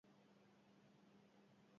Abiadura izugarria zuen, eta indar handia.